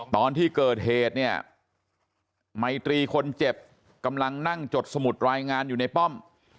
ตอนที่เกิดเหตุเนี่ยไมตรีคนเจ็บกำลังนั่งจดสมุดรายงานอยู่ในป้อม